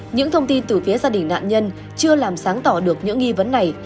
những thông tin từ phía gia đình nạn nhân chưa làm sáng tỏ được những nghi vấn này